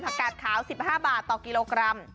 กาดขาว๑๕บาทต่อกิโลกรัม